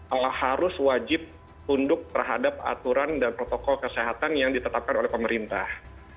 allah harus wajib tunduk terhadap aturan dan protokol kesehatan yang ditetapkan oleh pemerintah